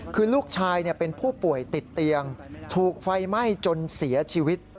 คือลูกชายเป็นผู้ป่วยติดเตียงถูกไฟไหม้จนเสียชีวิต